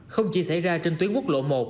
không chỉ xảy ra trên tuyến quốc lộ một